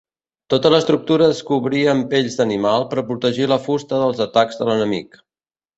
Tota l'estructura es cobrí amb pells d'animal per protegir la fusta dels atacs de l'enemic.